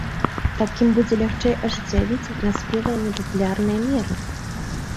Так ім будзе лягчэй ажыццявіць наспелыя непапулярныя меры.